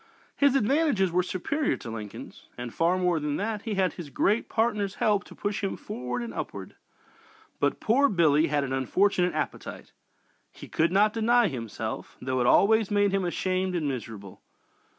His advantages were superior to Lincoln's. And far more than that, he had his great partner's help to push him forward and upward. But "poor Billy" had an unfortunate appetite. He could not deny himself, though it always made him ashamed and miserable.